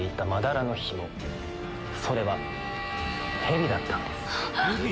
それはヘビだったんです。